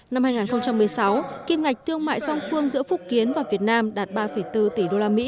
năm hai nghìn một mươi sáu kim ngạch thương mại song phương giữa phúc kiến và việt nam đạt ba bốn tỷ usd